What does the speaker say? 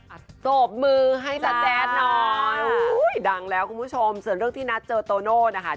โศบมือให้จ๊ะแจ๊ดหน่อยอุ้ยดังแล้วคุณผู้ชมส่วนเรื่องที่นัดเจอโตโน่นะคะ